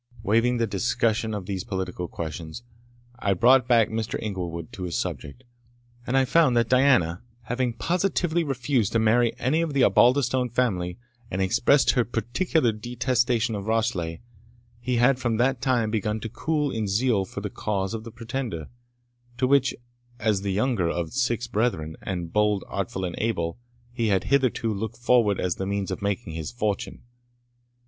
Waiving the discussion of these political questions, I brought back Mr. Inglewood to his subject, and I found that Diana, having positively refused to marry any of the Osbaldistone family, and expressed her particular detestation of Rashleigh, he had from that time begun to cool in zeal for the cause of the Pretender; to which, as the youngest of six brethren, and bold, artful, and able, he had hitherto looked forward as the means of making his fortune.